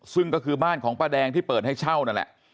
ซึ่งก็คือบ้านของป้าแดงที่เปิดให้เช่านั่นแหละ